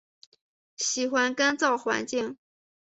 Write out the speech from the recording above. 喜欢干燥环境。